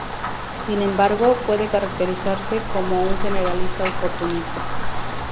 Sin embargo, puede caracterizarse como un generalista oportunista.